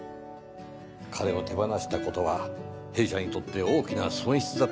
彼を手放した事は弊社にとって大きな損失だったかもしれないね。